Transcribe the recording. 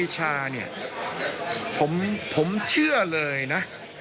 เชื่อเลยนะ